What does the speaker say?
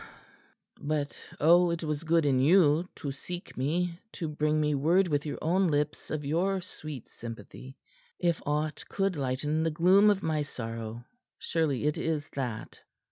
"But, oh, it was good in you to seek me, to bring me word with your own lips of your sweet sympathy. If aught could lighten the gloom of my sorrow, surely it is that."